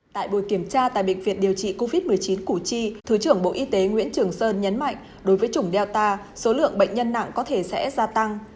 tại buổi kiểm tra tại bệnh viện điều trị covid một mươi chín củ chi thứ trưởng bộ y tế nguyễn trường sơn nhấn mạnh đối với chủng delta số lượng bệnh nhân nặng có thể sẽ gia tăng